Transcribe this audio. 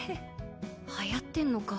はやってんのか？